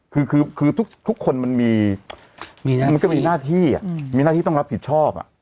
คือทุกคนมันก็มีหน้าที่มีหน้าที่ต้องรับผิดชอบ